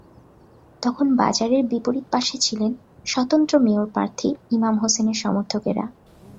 তখন বাজারের বিপরীত পাশে ছিলেন স্বতন্ত্র মেয়র প্রার্থী ইমাম হোসেনের সমর্থকেরা।